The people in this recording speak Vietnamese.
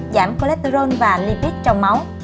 giảm cholesterol và lipid trong máu